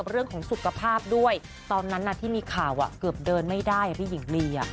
เรื่องของสุขภาพด้วยตอนนั้นที่มีข่าวเกือบเดินไม่ได้พี่หญิงลี